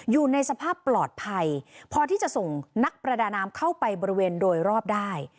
อยู่ในสภาพปลอดภัยพอที่จะส่งนักประดาน้ำเข้าไปบริเวณโดยรอบได้